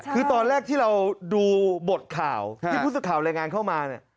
คือตอนแรกที่เราดูบทข่าวที่พุทธข่าวรายงานเข้ามา